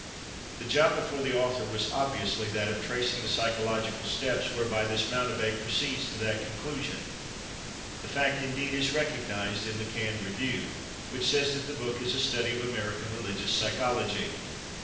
The job before the author was obviously that of tracing the psychological steps whereby this mountebank proceeds to that conclusion; the fact, indeed, is recognized in the canned review, which says that the book is "a study of American religious psychology."